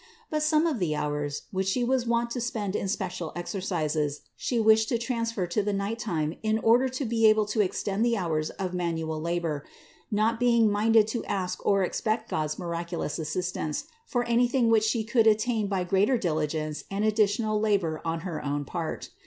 But some of the hours, which She was wont to spend in special exercises, She wished to transfer to the night time in order to be able to extend the hours of manual labor, not being minded to ask or expect God's miraculous assistance for anything which She could at tain by greater diligence and additional labor on her own part.